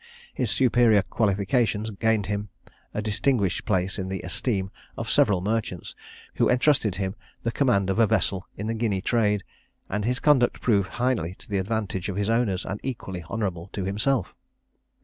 His superior qualifications gained him a distinguished place in the esteem of several merchants, who entrusted to him the command of a vessel in the Guinea trade; and his conduct proved highly to the advantage of his owners, and equally honourable to himself.